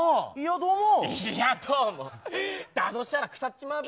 だとしたら腐っちまうべ。